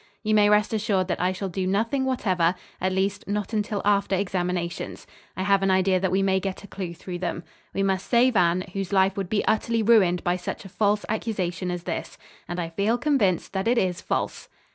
You may rest assured that I shall do nothing whatever; at least, not until after examinations. I have an idea that we may get a clue through them. We must save Anne, whose life would be utterly ruined by such a false accusation as this. And I feel convinced that it is false."